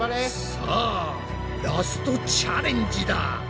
さあラストチャレンジだ。